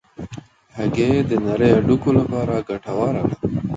هګۍ د نرۍ هډوکو لپاره ګټوره ده.